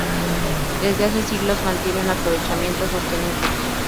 Desde hace siglos mantienen un aprovechamiento sostenible.